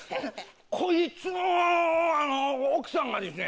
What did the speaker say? こいつの奥さんがですね